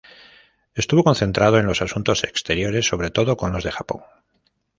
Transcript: Estuvo concentrado en los asuntos exteriores, sobre todo con los de Japón.